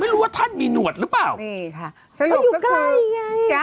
ไม่รู้ว่าท่านมีหนวดหรือเปล่า